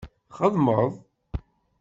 Txedmeḍ?